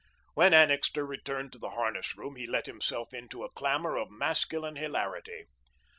When Annixter returned to the harness room, he let himself into a clamour of masculine hilarity.